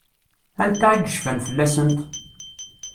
Anta i yecfan fell-asent?